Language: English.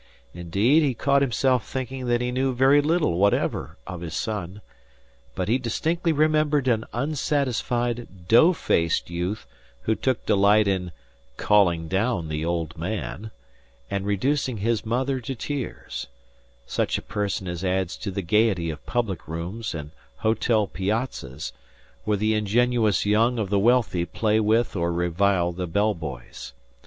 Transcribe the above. Indeed, he caught himself thinking that he knew very little whatever of his son; but he distinctly remembered an unsatisfied, dough faced youth who took delight in "calling down the old man," and reducing his mother to tears such a person as adds to the gaiety of public rooms and hotel piazzas, where the ingenuous young of the wealthy play with or revile the bell boys.